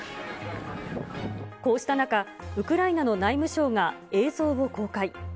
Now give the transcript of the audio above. こうした中、ウクライナの内務省が映像を公開。